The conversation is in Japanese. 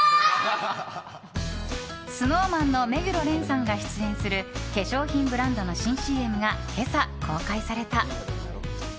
ＳｎｏｗＭａｎの目黒蓮さんが出演する化粧品ブランドの新ＣＭが今朝、公開された。